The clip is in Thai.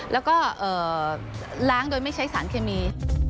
แล้วก็ล้างโดยไม่ใช้สารเคมี